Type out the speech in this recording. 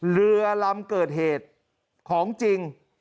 เรือลำเกิดเหตุของจริง